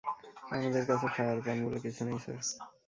আমাদের কাছে ফায়ার পান বলে কিছু নেই, স্যার।